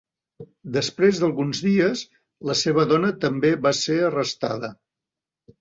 Després d'alguns dies, la seva dona també va ser arrestada.